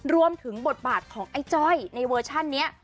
รวมถึงบทบาทของไอ้จ้อยในเวอร์ชันนี้